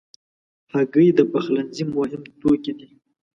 هګۍ د پخلنځي مهم توکي دي.